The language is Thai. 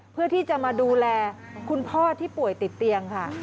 เพื่อที่จะมาดูแลคุณพ่อที่ป่วยติดเตียงค่ะ